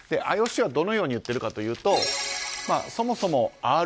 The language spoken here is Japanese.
ＩＯＣはどのように言っているかというとそもそもＲＯＣ